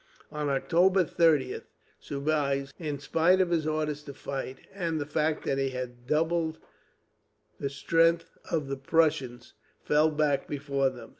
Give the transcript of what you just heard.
On October 30th Soubise, in spite of his orders to fight, and the fact that he had double the strength of the Prussians, fell back before them.